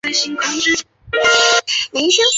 明命十六年成为皇长子长庆公府妾。